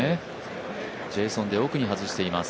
ジェイソン・デイ、奥に外しています